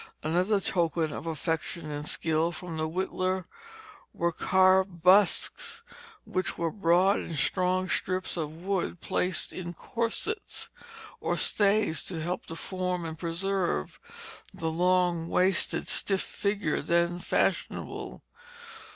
Another token of affection and skill from the whittler were carved busks, which were the broad and strong strips of wood placed in corsets or stays to help to form and preserve the long waisted, stiff figure then fashionable.